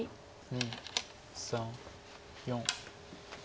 ２３４。